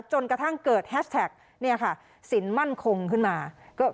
จนกระทั่งเกิดแฮชแท็กเนี่ยค่ะสินมั่นคงขึ้นมาก็